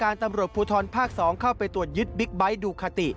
ตำรวจภูทรภาค๒เข้าไปตรวจยึดบิ๊กไบท์ดูคาติ